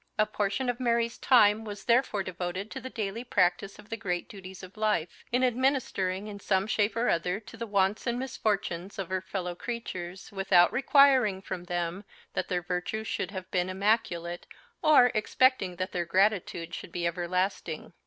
A portion of Mary's time was therefore devoted to the daily practice of the great duties of life; in administering in some shape or other to the wants and misfortunes of her fellow creatures, without requiring from them that their virtue should have been immaculate, or expecting that their gratitude should be everlasting.